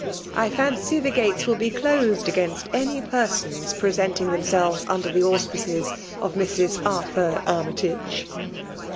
'* I fancy the gates will be cksed against any persons presenting themselves under the auspices of Mrs. Arthur Army<» tage."